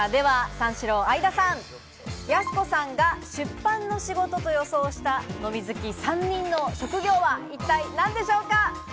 三四郎・相田さん、やす子さんが出版の仕事と予想した飲み好き３人の職業は一体何でしょうか？